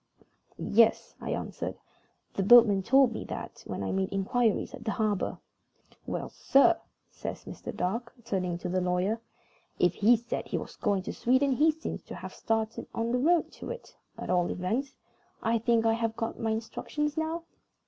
"Yes," I answered. "The boatmen told me that when I made inquiries at the harbor." "Well, sir," says Mr. Dark, turning to the lawyer, "if he said he was going to Sweden, he seems to have started on the road to it, at all events. I think I have got my instructions now?"